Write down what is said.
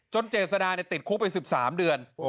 จนเจษฎาเนี่ยติดคุกไปสิบสามเดือน